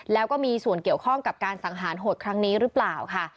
แล้วก็มีส่วนเกี่ยวข้องกับการสังหารโหดครั้งนี้หรือเปล่าค่ะ